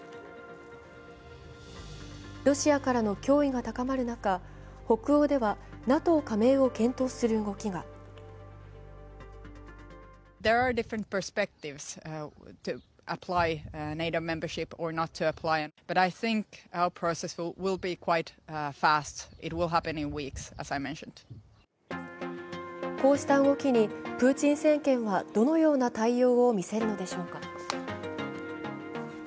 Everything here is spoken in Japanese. ロシアからの脅威が高まる中、北欧ではＮＡＴＯ加盟を検討する動きがこうした動きにプーチン政権はどのような対応を見せるのでしょうか。